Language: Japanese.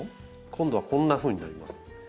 今度はこんなふうになります。